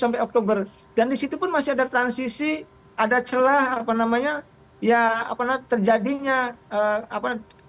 sampai oktober dan disitu pun masih ada transisi ada celah apa namanya ya apalah terjadinya apa